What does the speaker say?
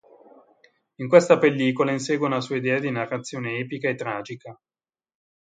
In questa pellicola insegue una sua idea di narrazione epica e tragica.